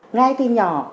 ngay từ nhỏ